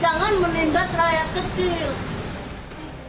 jangan menindas rakyat kecil